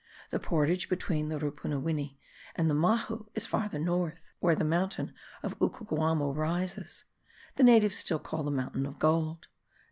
The portage between the Rupunuwini and the Mahu is farther north, where the mountain of Ucucuamo* rises, the natives still call the mountain of gold.